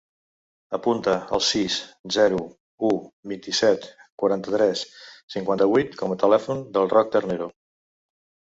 Apunta el sis, zero, u, vint-i-set, quaranta-tres, cinquanta-vuit com a telèfon del Roc Ternero.